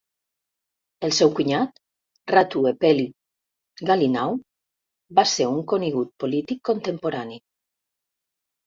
El seu cunyat, Ratu Epeli Ganilau, va ser un conegut polític contemporani.